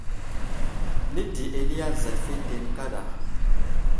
Nədi eli azat fetene kaɗa.